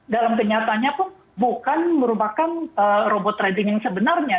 dalam kenyataannya pun bukan merupakan robot trading yang sebenarnya